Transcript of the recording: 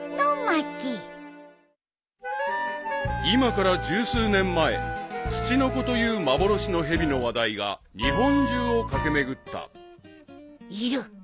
［今から十数年前ツチノコという幻の蛇の話題が日本中を駆け巡った］いる！